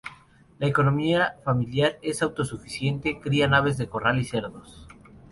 La economía familiar es auto-suficiente, crían aves de corral y cerdos.